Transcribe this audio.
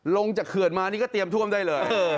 ลงจากเขื่อนมานี่ก็เตรียมท่วมได้เลย